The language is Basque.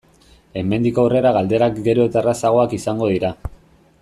Hemendik aurrera galderak gero eta errazagoak izango dira.